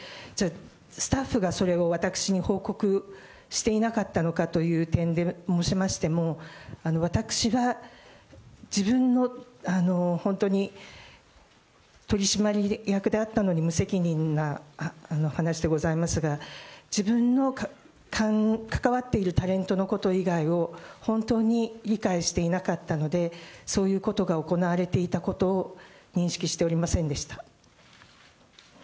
スタッフがそれを私に報告していなかったのかという点で申しましても、私は、自分の、本当に取締役であったのに無責任な話でございますが、自分の関わっているタレントのこと以外を、本当に理解していなかったので、そういうことが行われていたことを認識しておりませんでした。